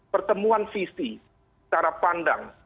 pertemuan visi cara pandang